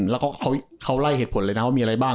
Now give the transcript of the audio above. แล้วเขาไล่เหตุผลเลยนะว่ามีอะไรบ้าง